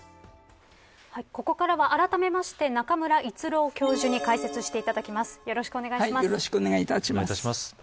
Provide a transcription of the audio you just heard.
ここからは、あらためまして中村逸郎教授に解説していただきます。